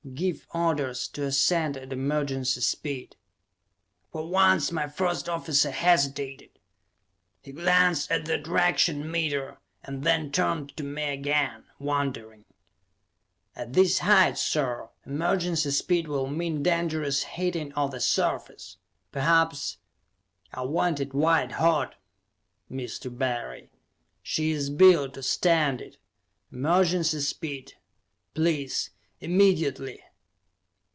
"Give orders to ascend at emergency speed!" For once my first officer hesitated. He glanced at the attraction meter and then turned to me again, wondering. "At this height, sir, emergency speed will mean dangerous heating of the surface; perhaps " "I want it white hot, Mr. Barry. She is built to stand it. Emergency speed, please immediately!"